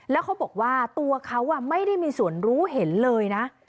แล้วเขาบอกว่าตัวเขาไม่ได้มีส่วนรู้เห็นเลยนะ